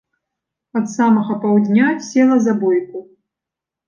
Ад самага паўдня села за бойку.